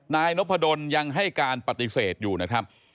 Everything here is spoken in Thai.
นายนพดลยังให้การปฏิเสธอยู่นะครับ